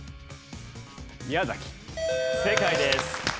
正解です。